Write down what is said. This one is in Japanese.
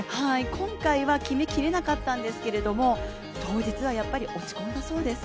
今回は決めきれなかったんですけれども当日はやっぱり落ち込んだそうです。